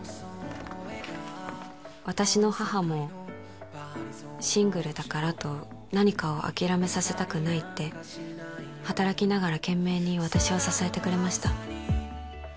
私の母もシングルだからと何かを諦めさせたくないって働きながら懸命に私を支えてくれました